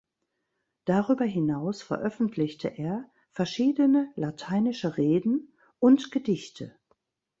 Darüber hinaus veröffentlichte er verschiedene lateinische Reden und Gedichte.